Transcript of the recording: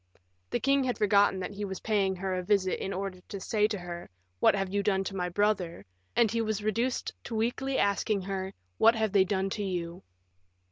The king had forgotten that he was paying her a visit in order to say to her, "What have you done to my brother?" and he was reduced to weakly asking her, "What have they done to you?"